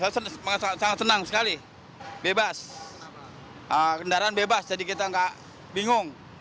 saya sangat senang sekali bebas kendaraan bebas jadi kita nggak bingung